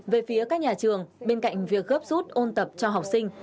về phía các nhà trường bên cạnh việc gấp rút ôn tập cho học sinh